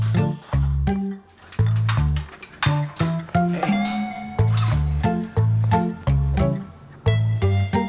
mendingan gue kagetin aja pepe cantik